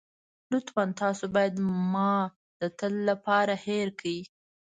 لطفاً تاسو بايد ما د تل لپاره هېره کړئ.